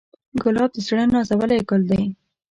ګلاب د زړه نازولی ګل دی.